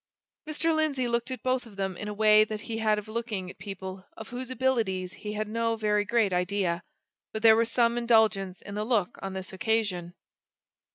Mr. Lindsey looked at both of them in a way that he had of looking at people of whose abilities he had no very great idea but there was some indulgence in the look on this occasion.